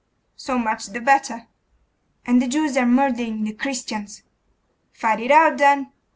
'So much the better.' 'And the Jews are murdering the Christians.' 'Fight it out, then.